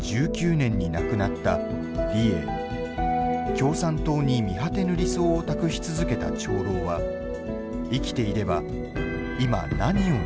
共産党に見果てぬ理想を託し続けた長老は生きていれば今何を日記につづったのだろうか。